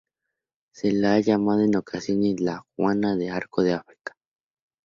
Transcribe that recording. Se la ha llamado en ocasiones la "Juana de Arco de África".